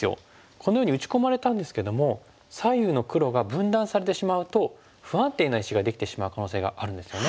このように打ち込まれたんですけども左右の黒が分断されてしまうと不安定な石ができてしまう可能性があるんですよね。